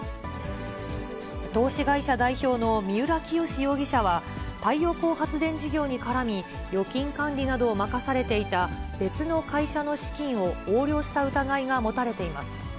投資会社代表の三浦清志容疑者は、太陽光発電事業に絡み、預金管理などを任されていた別の会社の資金を横領した疑いが持たれています。